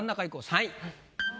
３位。